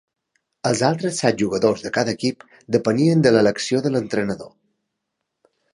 Els altres set jugadors de cada equip depenien de l’elecció de l’entrenador.